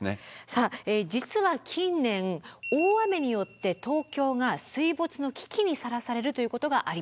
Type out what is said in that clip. さあ実は近年大雨によって東京が水没の危機にさらされるということがありました。